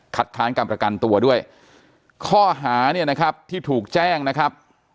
ค้านการประกันตัวด้วยข้อหาเนี่ยนะครับที่ถูกแจ้งนะครับ